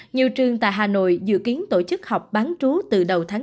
nhiều trường tại hà nội dự kiến tổ chức học bán trú từ đầu tháng bốn